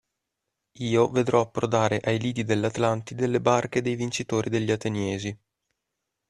Io vedrò approdare ai lidi dell'Atlantide le barche dei vincitori degli Ateniesi.